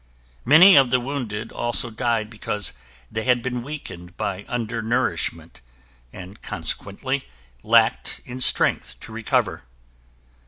Many of the wounded also died because they had been weakened by under nourishment and consequently lacked in strength to recover.